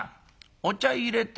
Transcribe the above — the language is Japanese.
お茶いれて。